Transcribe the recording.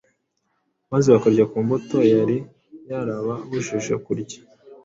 maze bakarya ku mbuto yari yarababujije kurya